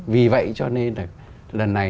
vì vậy cho nên là lần này